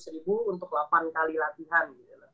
tiga ratus ribu untuk delapan kali latihan